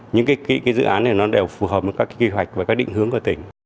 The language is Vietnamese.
những dự án này đều phù hợp với các kế hoạch và các định hướng của tỉnh